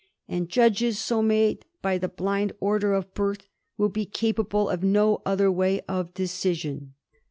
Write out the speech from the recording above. and judges so made by the blind order of birth will be capable of no other way of decision.'